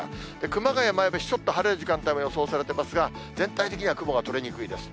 熊谷、前橋、ちょっと晴れる時間帯も予想されていますが、全体的には雲が取れにくいです。